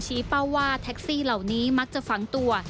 เป้าว่าแท็กซี่เหล่านี้มักจะฝังตัว